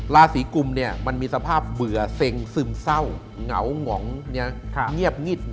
ราศีกุมมันมีสภาพเบื่อเซ็งซึมเศร้าเหงาหงองเงียบงิด